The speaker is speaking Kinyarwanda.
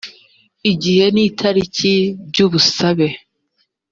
igihe n itariki by ubusabe